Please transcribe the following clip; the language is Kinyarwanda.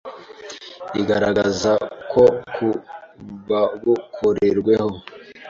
igaragaza ko ku babukoreweho,